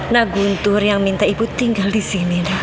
nah guntur yang minta ibu tinggal di sini